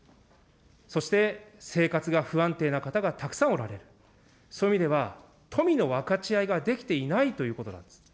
そして、生活が不安定な方がたくさんおられる、そういう意味では、富の分かち合いができていないということなんです。